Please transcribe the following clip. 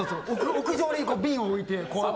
屋上に瓶を置いてこうやって。